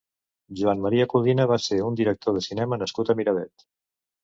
Joan Maria Codina va ser un director de cinema nascut a Miravet.